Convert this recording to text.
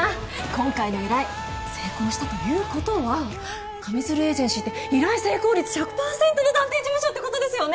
今回の依頼成功したということは上水流エージェンシーって依頼成功率１００％の探偵事務所ってことですよね。